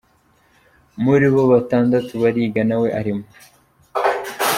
Muri bo batandatu bariga nawe arimo.